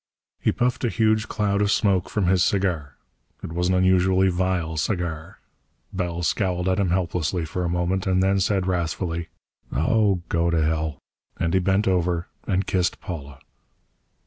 He puffed a huge cloud of smoke from his cigar. It was an unusually vile cigar. Bell scowled at him helplessly for a moment and then said wrathfully: "Oh, go to hell!" And he bent over and kissed Paula.